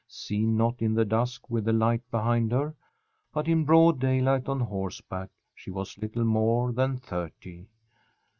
Seen, not in the dusk with the light behind her, but in broad daylight on horseback, she was little more than thirty.